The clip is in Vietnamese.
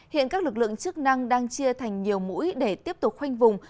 hiện các lực lượng chức năng đang chia thành nhiều mũi để tiếp tục khoanh vùng